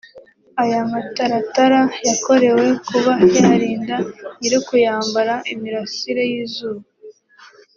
aya mataratara yakorewe kuba yarinda nyir’ukuyambara imirasire y’izuba